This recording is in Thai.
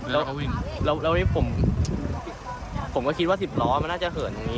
แล้วพี่ผมก็คิดว่าสิบล้อมันน่าจะเหินอย่างนี้